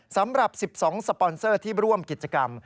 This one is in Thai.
สำหรับ๑๒สปอนเซอร์ที่ร่วมกิจกรรม